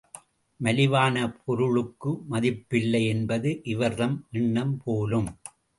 மலிவான பொருளுக்கு மதிப்பு இல்லை என்பது இவர்தம் எண்ணம் போலும்.